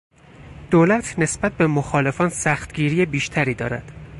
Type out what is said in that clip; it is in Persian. دولت نسبت به مخالفان سختگیری بیشتری کرد.